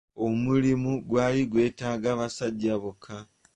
Omulimu gwali gwetaaga basajja bokka.